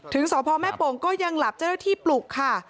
ถึงสอบพ่อแม่โป่งก็ยังหลับจะได้ที่ปลุกค่ะ